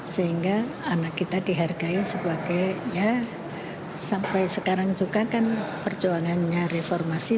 sehingga anak kita dihargai sebagai ya sampai sekarang juga kan perjuangannya reformasi